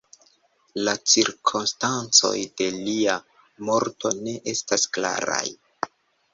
La cirkonstancoj de lia morto ne estas klaraj.